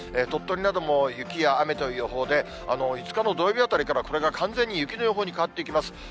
鳥取なども雪や雨という予報で、５日の土曜日あたりからこれが完全に雪の予報に変わっていきます。